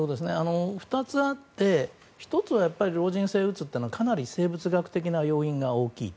２つあって、１つは老人性うつってかなり生物学的な要因が大きいと。